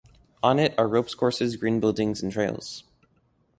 On it are ropes courses, green buildings, and trails.